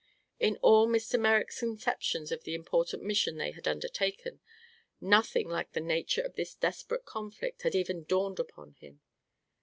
In all Mr. Merrick's conceptions of the important mission they had undertaken, nothing like the nature of this desperate conflict had even dawned upon him.